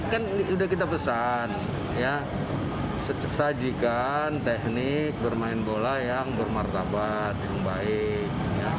kan sudah kita pesan ya sajikan teknik bermain bola yang bermartabat yang baik